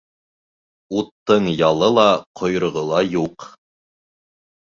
Уттың ялы ла, ҡойроғо ла юҡ.